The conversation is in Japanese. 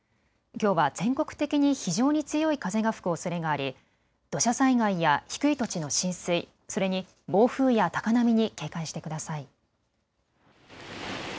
きょうは全国的に非常に強い風が吹くおそれがあり土砂災害や低い土地の浸水それに暴風や高波に警戒してください。